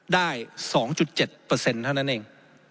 ได้๒๗เท่านั้นเอง